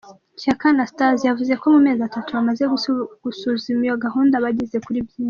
Shyaka Anastase, yavuze ko mu mezi atatu bamaze basuzuma iyo gahunda bageze kuri byinshi.